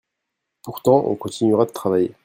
Pourtant on continuera de travailler.